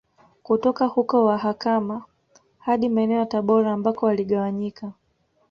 Kutoka huko wakahama hadi maeneo ya Tabora ambako waligawanyika